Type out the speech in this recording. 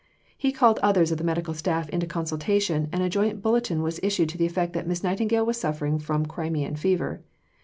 He called others of the medical staff into consultation, and a joint bulletin was issued to the effect that Miss Nightingale was suffering from Crimean fever.